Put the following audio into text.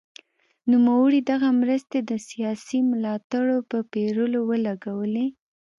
نوموړي دغه مرستې د سیاسي ملاتړ په پېرلو ولګولې.